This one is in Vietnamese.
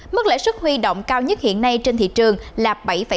mức lãi suất huy động cao nhất hiện nay trên thị trường là bảy tám